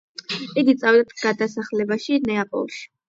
იგი წავიდა გადასახლებაში ნეაპოლში.